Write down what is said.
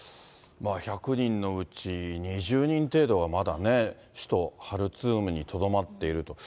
１００人のうち２０人程度はまだね、首都ハルツームにとどまっていると。